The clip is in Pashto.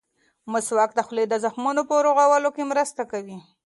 مسواک د خولې د زخمونو په رغولو کې مرسته کوي.